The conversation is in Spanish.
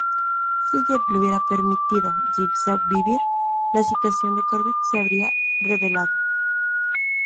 Si Jeff le hubiera permitido Jigsaw vivir, la situación de Corbett se habría revelado.